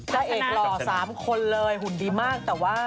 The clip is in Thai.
พระเอกหล่อ๓คนเลยหุ่นดีมากแต่ว่า